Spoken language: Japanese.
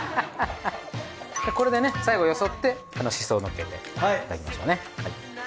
これでね最後よそってしそをのっけていただきましょうね。